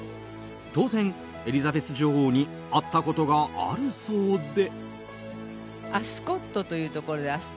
当然、エリザベス女王に会ったことがあるそうで。